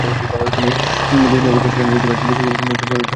তিনি গজনী অবকাশ কেন্দ্রের একটি বেসরকারি প্রতিষ্ঠানে নৈশ প্রহরীর কাজ করতেন।